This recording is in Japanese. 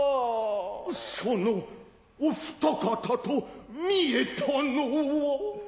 そのお二方と見えたのは。